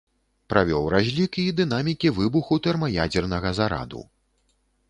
Правёў разлік і дынамікі выбуху тэрмаядзернага зараду.